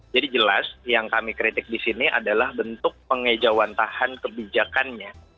jadi jelas yang kami kritik di sini adalah bentuk pengejauhan tahan kebijakannya